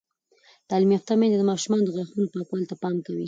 تعلیم یافته میندې د ماشومانو د غاښونو پاکوالي ته پام کوي.